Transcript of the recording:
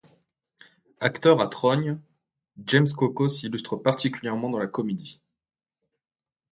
Acteur à trogne, James Coco s'illustre particulièrement dans la comédie.